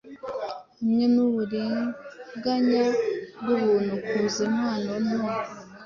hamwe nuburiganya bwubuntu Kuza impano nto